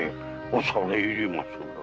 恐れ入ります。